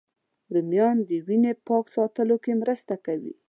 رومیان د وینې پاک ساتلو کې مرسته کوي